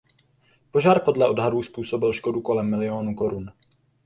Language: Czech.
Požár podle odhadů způsobil škodu kolem milionu korun.